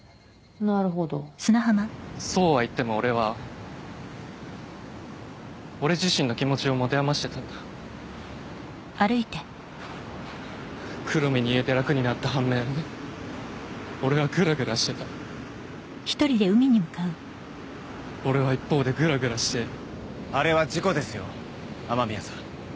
なるほどそうはいっても俺は俺自身の気持ちを持て余してたんだ黒目に言えて楽になった反面俺はグラグラしてた俺は一方でグラグラしてあれは事故ですよ雨宮さん